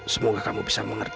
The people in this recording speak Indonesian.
semoga kamu bisa mengerti